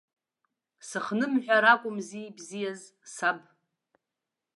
Сыхнымҳәыр акәымзи ибзиаз, саб!